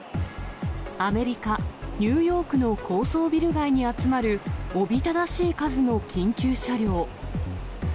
アメリカ・ニューヨークの高層ビル街に集まる、おびただしい数の緊急車両。